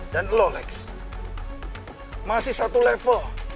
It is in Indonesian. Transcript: dan lo lex masih satu level